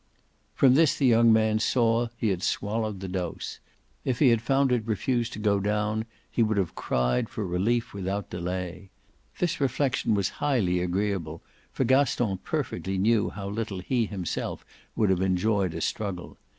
From this the young man saw he had swallowed the dose; if he had found it refuse to go down he would have cried for relief without delay. This reflexion was highly agreeable, for Gaston perfectly knew how little he himself would have enjoyed a struggle.